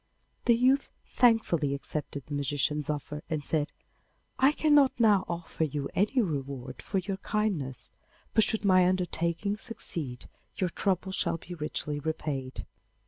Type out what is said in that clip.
The youth thankfully accepted the magician's offer, and said, 'I cannot now offer you any reward for your kindness, but should my undertaking succeed your trouble shall be richly repaid.